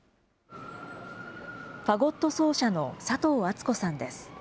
ファゴット奏者の佐藤敦子さんです。